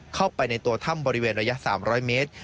เข้าไปในตัวถ้ำบริเวณระยะ๓๐๐เมตร